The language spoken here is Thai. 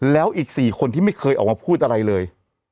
แล้วอีก๔คนที่ไม่เคยออกมาพูดอะไรเลย